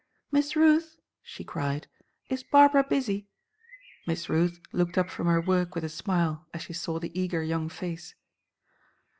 "Miss Ruth," she cried, "is Barbara busy?" Miss Ruth looked up from her work with a smile as she saw the eager young face.